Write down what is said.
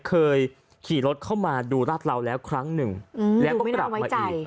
เคยขี่รถเข้ามาดูรัดเราแล้วครั้งหนึ่งอืมแล้วก็กลับมาอีกอืมอยู่ไม่น่าไว้ใจ